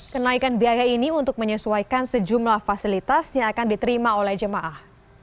kenaikan biaya ini untuk menyesuaikan sejumlah fasilitas yang akan diterima oleh jemaah